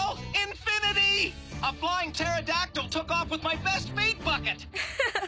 アハハハ